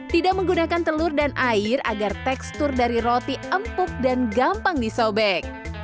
tidak menggunakan telur dan air agar tekstur dari roti empuk dan gampang disobek